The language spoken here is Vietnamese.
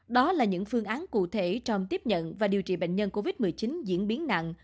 đó là những phương án cụ thể trong tiếp nhận và điều trị bệnh nhân covid một mươi chín diễn biến nặng